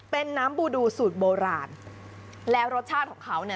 เป็นน้ำบูดูสูตรโบราณแล้วรสชาติของเขาเนี่ย